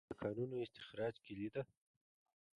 د کانونو استخراج کلي ده؟